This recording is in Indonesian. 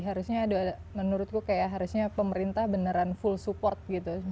harusnya menurutku kayak harusnya pemerintah beneran full support gitu